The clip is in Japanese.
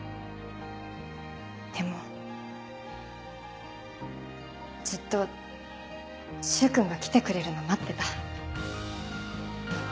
でもずっと柊君が来てくれるの待ってた。